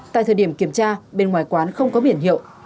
tại thời điểm kiểm tra bên ngoài quán không có biển hiệu